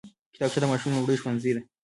کتابچه د ماشوم لومړی ښوونځی دی